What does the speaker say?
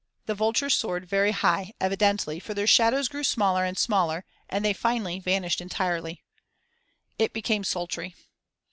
The vultures soared very high evidently, for their shadows grew smaller and smaller, and they finally vanished entirely. It became sultry.